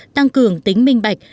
tăng cường tính minh bạch